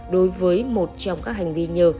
đối với một trong các hành vi như